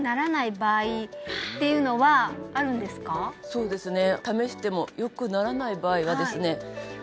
そうですねえっ！